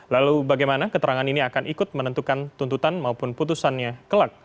lalu bagaimana keterangan ini akan ikut menentukan tuntutan maupun putusannya kelak